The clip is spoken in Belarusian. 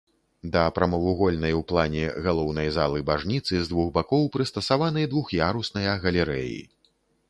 Да прамавугольнай у плане галоўнай залы бажніцы з двух бакоў прыстасаваны двух'ярусныя галерэі.